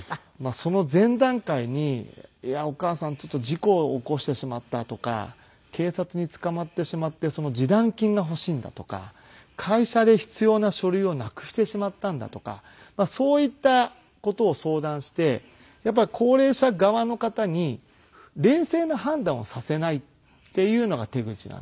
その前段階に「お母さんちょっと事故を起こしてしまった」とか「警察に捕まってしまってその示談金が欲しいんだ」とか「会社で必要な書類をなくしてしまったんだ」とかそういった事を相談してやっぱり高齢者側の方に冷静な判断をさせないっていうのが手口なんですね。